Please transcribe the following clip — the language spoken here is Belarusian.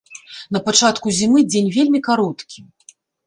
На пачатку зімы дзень вельмі кароткі.